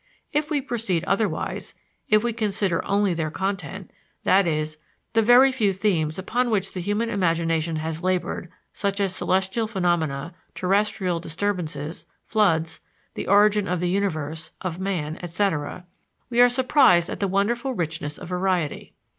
If we proceed otherwise, if we consider only their content i.e., the very few themes upon which the human imagination has labored, such as celestial phenomena, terrestrial disturbances, floods, the origin of the universe, of man, etc. we are surprised at the wonderful richness of variety.